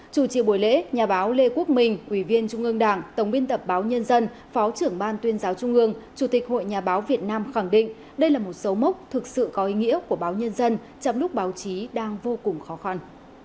chủ trì buổi lễ nhà báo lê quốc minh ủy viên trung ương đảng tổng biên tập báo nhân dân phó trưởng ban tuyên giáo trung ương chủ tịch hội nhà báo việt nam khẳng định đây là một dấu mốc thực sự có ý nghĩa của báo nhân dân trong lúc báo chí đang vô cùng khó khăn